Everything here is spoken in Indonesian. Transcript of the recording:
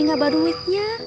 lagi gak bantu duitnya